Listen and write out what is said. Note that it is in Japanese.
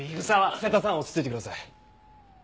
瀬田さん落ち着いてください。